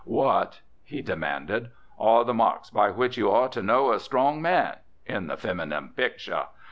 "What," he demanded, "are the marks by which you are to know a 'strong man' in the feminine picture?